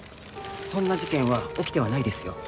そんな事件は起きてはないですよ。